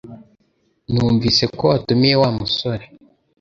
Numvise ko watumiye Wa musore